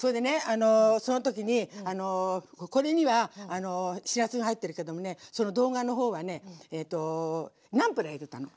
あのその時にこれにはしらすが入ってるけどもねその動画のほうはねナンプラー入れたの。